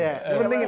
ya penting ini